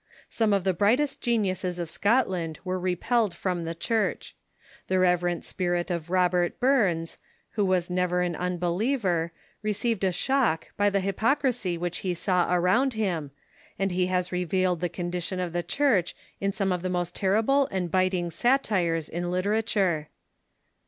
Some of the brightest geniuses of Scotland were repelled from the Church. The reverent spirit of Robert Burns, who was never an unbeliever, received a shock by the hypocrisy which he saw around him, and he has revealed the condition of the Church in. some of the most ter rible and biting satires in literature.